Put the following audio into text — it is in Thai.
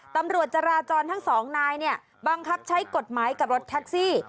ตำรวจจราจรทั้งสองนายเนี่ยบังคับใช้กฎหมายกับรถแท็กซี่